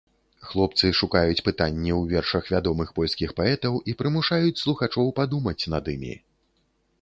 Хлопцы шукаюць пытанні ў вершах вядомых польскіх паэтаў і прымушаюць слухачоў падумаць над імі.